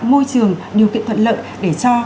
môi trường điều kiện thuận lợi để cho